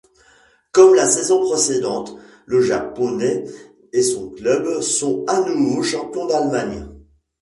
Comme la saison précédente, le Japonais et son club sont à nouveau champion d'Allemagne.